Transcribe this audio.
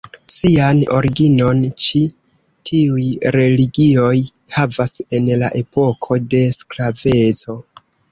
Sian originon ĉi tiuj religioj havas en la epoko de sklaveco.